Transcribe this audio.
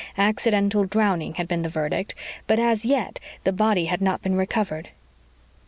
Accidental drowning had been the verdict but, as yet, the body had not been recovered.